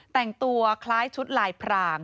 แต่งตัวคล้ายชุดลายพราง